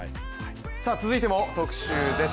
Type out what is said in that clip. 続いても特集です。